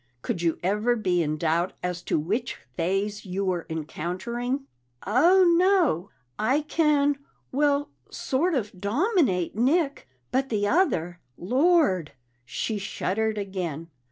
Could you ever be in doubt as to which phase you were encountering?" "Oh, no! I can well, sort of dominate Nick, but the other Lord!" She shuddered again.